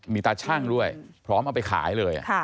มีตาชั่งด้วยพร้อมเอาไปขายเลย